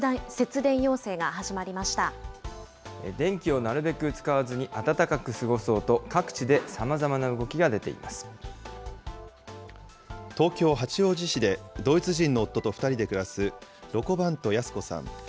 電気をなるべく使わずに暖かく過ごそうと、各地でさまざまな東京・八王子市で、ドイツ人の夫と２人で暮らす、ロコバント靖子さん。